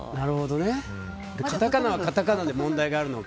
カタカナはカタカナで問題があるのか。